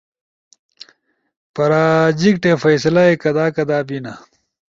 پراجیکٹے فیصلہ ئی کدا کدا بینا؟